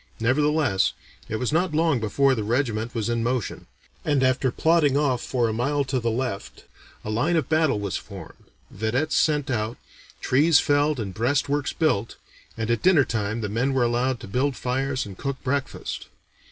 Nevertheless it was not long before the regiment was in motion; and after plodding off for a mile to the left, a line of battle was formed, vedettes sent out, trees felled and breastworks built, and at dinner time the men were allowed to build fires and cook breakfast.